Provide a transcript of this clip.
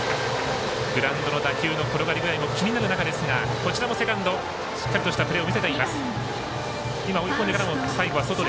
グラウンドの打球の転がり具合も気になるところですがこちらもセカンドしっかりとしたプレーを見せています。